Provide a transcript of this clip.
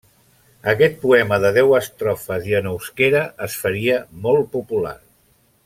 Aquest poema de deu estrofes i en euskera, es faria molt popular.